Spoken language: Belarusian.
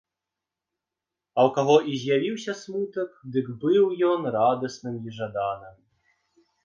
А ў каго і з'явіўся смутак, дык быў ён радасным і жаданым.